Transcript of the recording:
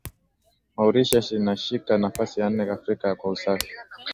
Mauritius inashika nafasi ya nne Afrika kwa usafi